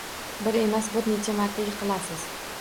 Bir emas bir necha marta yiqilasiz